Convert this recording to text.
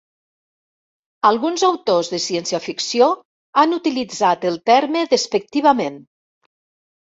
Alguns autors de ciència-ficció han utilitzat el terme despectivament.